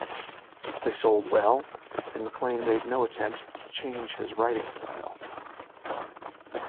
They sold well, and MacLean made no attempt to change his writing style.